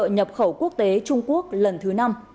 nhập khẩu quốc tế trung quốc lần thứ năm